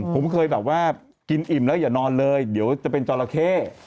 ผมเคยแบบว่ากินอิ่มแล้วอย่านอนเลยเดี๋ยวจะเป็นจราเข้